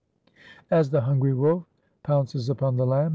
" As the hungry wolf pounces upon the lamb.